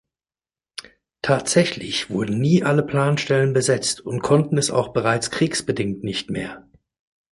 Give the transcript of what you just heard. Tatsächlich wurden nie alle Planstellen besetzt und konnten es auch bereits kriegsbedingt nicht mehr.